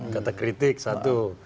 kata kritik satu